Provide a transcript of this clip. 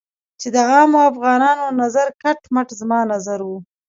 چې د عامو افغانانو نظر کټ مټ زما نظر و.